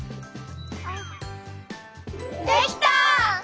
できた！